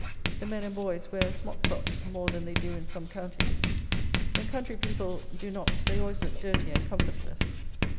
The men and boys wear smock frocks more than they do in some counties. When country people do not they always look dirty and comfortless.